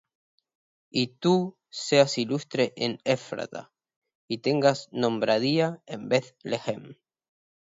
y tú seas ilustre en Ephrata, y tengas nombradía en Beth-lehem;